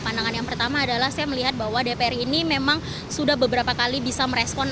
pandangan yang pertama adalah saya melihat bahwa dpr ini memang sudah beberapa kali bisa merespon